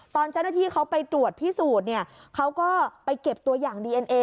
ตอนเจ้าหน้าที่เขาไปตรวจพิสูจน์เนี่ยเขาก็ไปเก็บตัวอย่างดีเอ็นเอ